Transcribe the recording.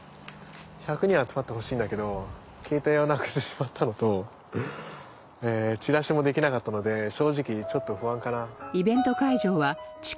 １００人集まってほしいんだけどケータイをなくしてしまったのとチラシもできなかったので正直ちょっと不安かな。